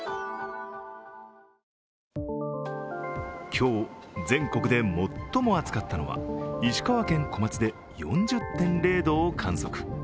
今日、全国で最も暑かったのは石川県小松で４０．０度を観測。